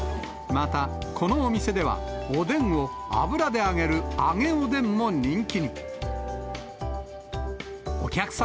また、このお店では、おでんを油で揚げる揚げおでんも人気に。